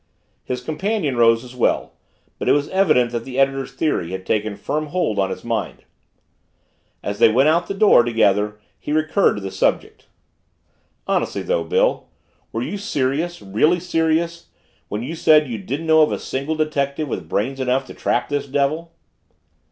His companion rose as well, but it was evident that the editor's theory had taken firm hold on his mind. As they went out the door together he recurred to the subject. "Honestly, though, Bill were you serious, really serious when you said you didn't know of a single detective with brains enough to trap this devil?"